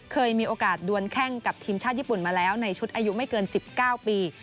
เคยมีโอกาสดวนแข้งกับทีมชาติญี่ปุ่นมาแล้วในชุดอายุไม่เกิน๑๙ปี